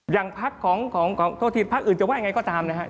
อย่างพักของโทษทีพักอื่นจะว่ายังไงก็ตามนะครับ